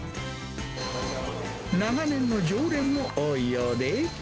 長年の常連も多いようで。